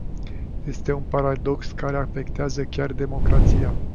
Este un paradox care afectează chiar democrația.